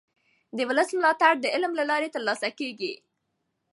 د ولس ملاتړ د عمل له لارې ترلاسه کېږي